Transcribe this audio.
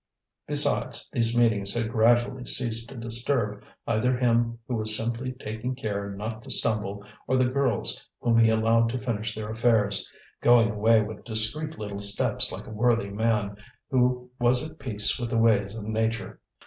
Besides, these meetings had gradually ceased to disturb either him who was simply taking care not to stumble, or the girls whom he allowed to finish their affairs, going away with discreet little steps like a worthy man who was at peace with the ways of nature.